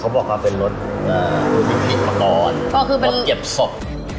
เขาบอกว่าเป็นรถเอ่อมีพิษประกอดรถเก็บสด